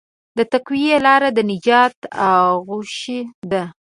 د تقوی لاره د نجات آغوش ده.